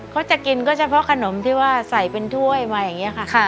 ก็จะกินก็เฉพาะขนมที่ว่าใส่เป็นถ้วยมาอย่างนี้ค่ะ